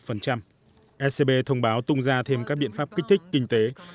ecb thông báo tung ra thêm các biện pháp kích thích kinh tế